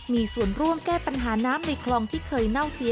มีส่วนร่วมแก้ปัญหาน้ำในคลองที่เคยเน่าเสีย